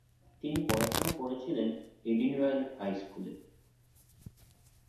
তিনি পড়াশোনা করেছিলেন এডিন রয়েল হাই স্কুলে।